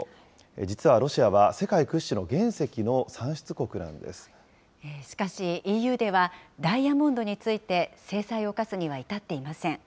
実はロシアは、世界屈指の原石のしかし、ＥＵではダイヤモンドについて制裁を科すには至っていません。